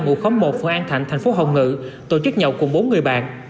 ngụ khóm một phường an thạnh thành phố hồng ngự tổ chức nhậu cùng bốn người bạn